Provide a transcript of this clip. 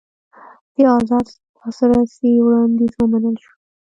د ازاد لاسرسي وړاندیز ومنل شو.